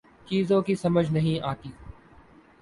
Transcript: چیزوں کی سمجھ نہیں آتی